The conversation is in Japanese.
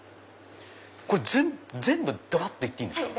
全部ドバっといっていいですか？